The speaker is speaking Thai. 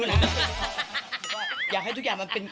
เพราะว่าอยากให้ทุกอย่างมาเป็น